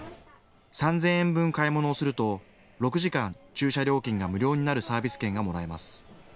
３０００円分買い物をすると６時間、駐車料金が無料になるサービス券がもらえます。